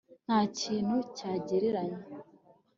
nta kintu cyagereranya